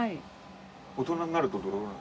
大人になるとどのぐらい。